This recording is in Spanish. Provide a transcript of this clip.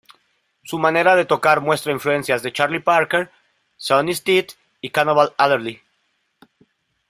Su manera de tocar muestra influencias de Charlie Parker, Sonny Stitt y Cannonball Adderley.